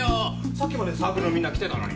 さっきまでサークルのみんな来てたのに。